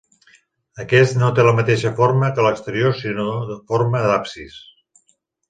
Aquest no té la mateixa forma que l'exterior sinó forma d'absis.